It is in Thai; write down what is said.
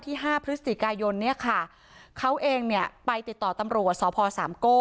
ห้าพฤศจิกายนเนี่ยค่ะเขาเองเนี่ยไปติดต่อตำรวจสพสามโก้